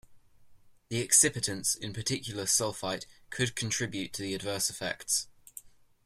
The excipients, in particular sulphite, could contribute to the adverse effects.